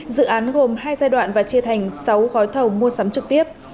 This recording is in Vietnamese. dự án gồm hai giai đoạn và chia thành sáu gói thầu mua sắm trực tiếp